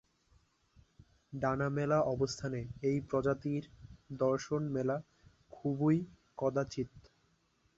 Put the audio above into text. ডানা মেলা অবস্থানে এই প্রজাতির দর্শন মেলে খুবই কদাচিৎ।